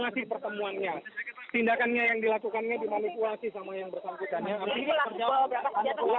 ini adalah pertemuannya tindakannya yang dilakukannya dimanipulasi sama yang bersangkutannya